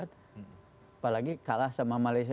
apalagi kalah sama malaysia